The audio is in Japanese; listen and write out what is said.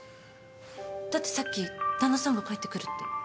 だってさっき旦那さんが帰ってくるって。